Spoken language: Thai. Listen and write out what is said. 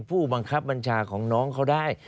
ผู้บังคับบัญชาของน้องเขาได้